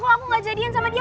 kok aku gak jadian sama dia